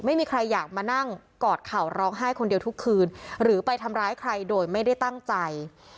ไม่มีใครอยากมานั่งกอดเข่าร้องไห้คนเดียวทุกคืนหรือไปทำร้ายใครโดยไม่ได้ตั้งใจ